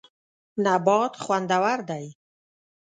نبات خوندور دی.